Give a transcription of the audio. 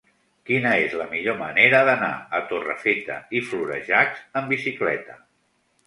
Quina és la millor manera d'anar a Torrefeta i Florejacs amb bicicleta?